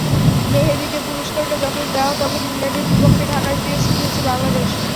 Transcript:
মেহেদীকে পুরস্কারটা যখন দেওয়া, তখন ইংল্যান্ডের বিপক্ষে ঢাকায় টেস্ট খেলছে বাংলাদেশ।